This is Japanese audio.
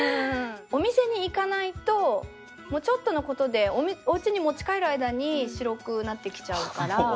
お店に行かないとちょっとのことでおうちに持ち帰る間に白くなってきちゃうから。